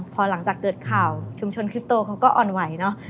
พอหลังจากเกิดข่าวชุมชนคลิปโตเขาก็อ่อนไหวเนอะ